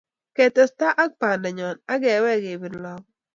Ketestai ak bandanyo akewek kepitr lokoi